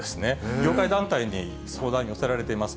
業界団体に相談寄せられています。